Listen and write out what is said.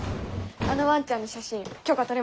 あのワンちゃんの写真許可とれました。